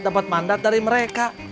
dapat mandat dari mereka